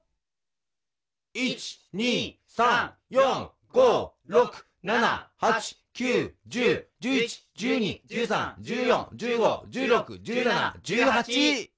１２３４５６７８９１０１１１２１３１４１５１６１７１８